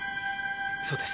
そうです。